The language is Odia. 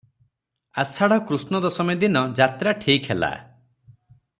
ଆଷାଢ କୃଷ୍ଣ ଦଶମୀ ଦିନ ଯାତ୍ରା ଠିକ ହେଲା ।